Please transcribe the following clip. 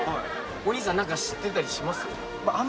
お兄さん何か知ってたりします？